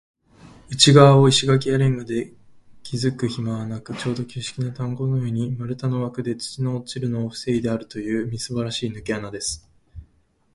内がわを石がきやレンガできずくひまはなく、ちょうど旧式な炭坑のように、丸太のわくで、土の落ちるのをふせいであるという、みすぼらしいぬけ穴です。